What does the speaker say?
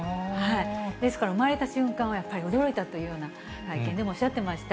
ですから、産まれた瞬間は、やっぱり驚いたというような、会見でもおっしゃってました。